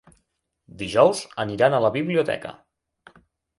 Dijous aniran a la biblioteca.